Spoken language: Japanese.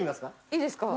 いいですか？